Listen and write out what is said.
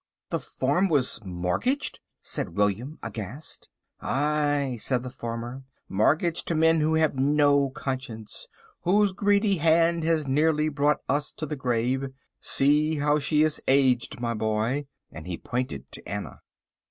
"The farm was mortgaged!" said William, aghast. "Ay," said the farmer, "mortgaged to men who have no conscience, whose greedy hand has nearly brought us to the grave. See how she has aged, my boy," and he pointed to Anna.